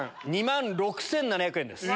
２万６７００円です。